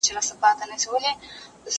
زه به سبا ليکلي پاڼي ترتيب کړم،